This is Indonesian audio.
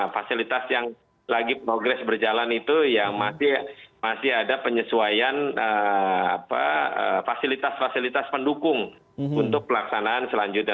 fasilitas yang lagi progres berjalan itu yang masih ada penyesuaian fasilitas fasilitas pendukung untuk pelaksanaan selanjutnya